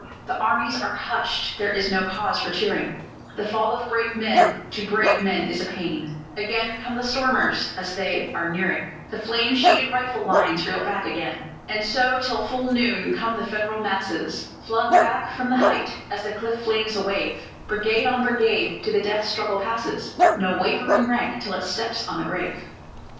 The armies are hushed there is no cause for cheering: The fall of brave men to brave men is a pain. Again come the stormers! and as they are nearing The flame sheeted rifle lines, reel back again. And so till full noon come the Federal masses Flung back from the height, as the cliff flings a wave; Brigade on brigade to the death struggle passes, No wavering rank till it steps on the grave.